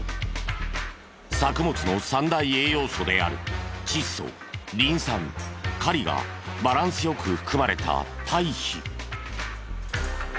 作物の３大栄養素である窒素リン酸カリがバランス良く含まれた堆肥。